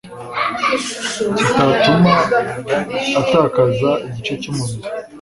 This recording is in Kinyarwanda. kitatuma atakaza igice cy umubiri